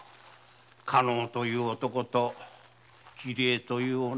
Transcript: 加納という男と桐江という女子も。